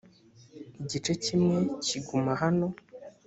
igice kimwe kiguma hano